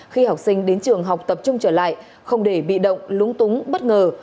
khi học sinh đến trường học tập trung trở lại không để bị động lúng túng bất ngờ